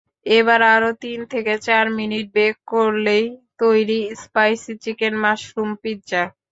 এবার আরও তিন থেকে চার মিনিট বেক করলেই তৈরি স্পাইসি চিকেন-মাশরুম পিৎজা।